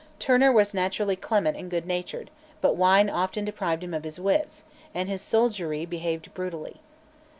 Turner was naturally clement and good natured, but wine often deprived him of his wits, and his soldiery behaved brutally.